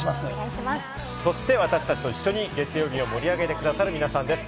私たちと一緒に月曜日を盛り上げてくださる皆さんです。